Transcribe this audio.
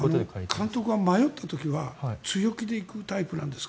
監督は迷った時は強気で行くタイプなんですか？